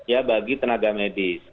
ya bagi tenaga medis